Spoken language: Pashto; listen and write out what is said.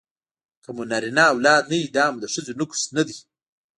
که مو نرینه اولاد نه وي دا مو د ښځې نقص نه دی